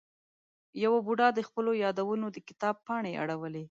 یوه بوډا د خپلو یادونو د کتاب پاڼې اړولې.